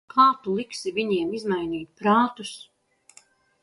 Kā tu liksi viņiem izmainīt viņu prātus?